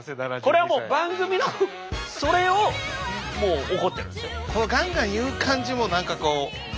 これはもう番組のそれをもう怒ってるんですよ。